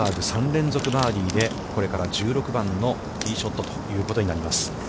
３連続バーディーで、これから１６番のティーショットということになります。